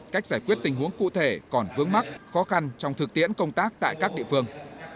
cách giải quyết tình huống cụ thể còn vướng mắc khó khăn trong thực tiễn công tác tại các địa phương